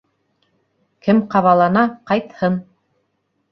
Кем ҡабалана, ҡайтһын!